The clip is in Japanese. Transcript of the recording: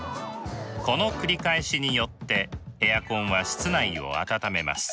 この繰り返しによってエアコンは室内を暖めます。